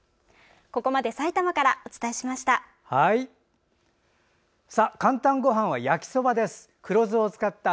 ここまでさいたまからお伝えしました。